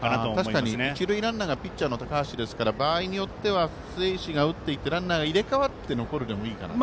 確かに一塁ランナーがピッチャーの高橋ですから場合によっては打っていって、ランナーが入れ代わるでもいいと。